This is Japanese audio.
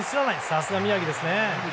さすが、宮城ですね。